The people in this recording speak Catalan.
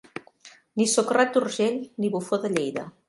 Ni socarrat d'Urgell, ni bufó de Lleida.